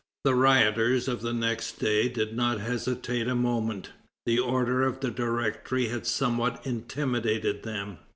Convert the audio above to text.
The rioters of the next day did not hesitate a moment. The order of the Directory had somewhat intimidated them.